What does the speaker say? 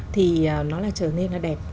thì nó là trở nên nó đẹp